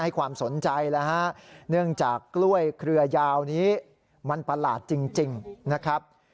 ความสนใจแล้วฮะเนื่องจากกล้วยเครือยาวนี้มันประหลาดจริงนะครับ